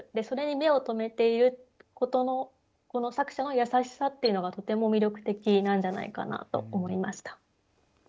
それに目を留めていることのこの作者の優しさっていうのがとても魅力的なんじゃないかなと思いました。